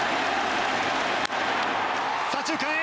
左中間へ。